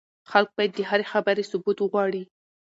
خلک بايد د هرې خبرې ثبوت وغواړي.